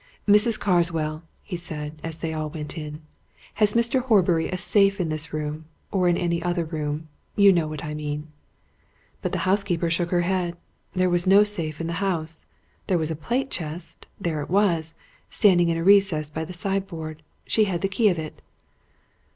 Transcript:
"Mrs. Carswell," he said, as they all went in, "has Mr. Horbury a safe in this room, or in any other room? You know what I mean." But the housekeeper shook her head. There was no safe in the house. There was a plate chest there it was, standing in a recess by the sideboard; she had the key of it.